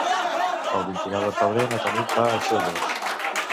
El vint-i-nou de febrer na Tanit va a Xodos.